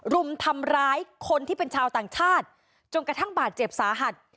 รุมทำร้ายคนที่เป็นชาวต่างชาติจนกระทั่งบาดเจ็บสาหัส